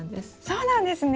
そうなんですね。